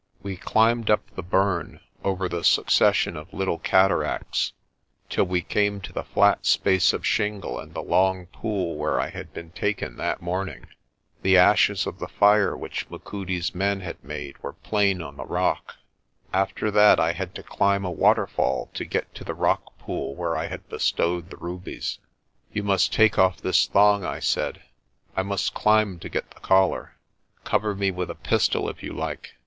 We climbed up the burn, over the succession of little cataracts, till we came to the flat space of shingle and the long pool where I had been taken that morning. The ashes of the fire which Machudi's men had made were plain on the rock. After that I had to climb a waterfall to get to the rock pool where I had bestowed the rubies. "You must take off this thong," I said. "I must climb to get the collar. Cover me with a pistol if you like.